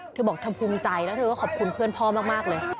เธอบอกเธอภูมิใจแล้วเธอก็ขอบคุณเพื่อนพ่อมากเลย